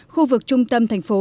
khu vực trung tâm thành phố